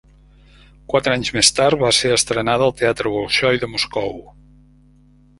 Quatre anys més tard, va ser estrenada al Teatre Bolxoi de Moscou.